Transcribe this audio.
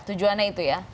tujuannya itu ya